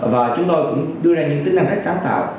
và chúng tôi cũng đưa ra những tính năng thích sáng tạo